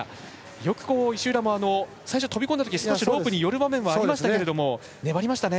よく石浦も最初、飛び込んだときロープに寄る場面ありましたけど粘りましたね。